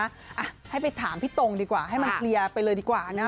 อ่ะให้ไปถามพี่ตรงดีกว่าให้มันเคลียร์ไปเลยดีกว่านะ